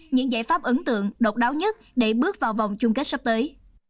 những giải pháp ấn tượng độc đáo nhất để bước vào vòng chung kết sắp tới